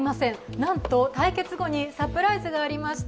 なんと対決後にサプライズがありました。